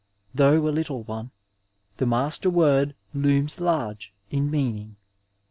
Though a httle (fae, the master w(Hxl looms large in meaning.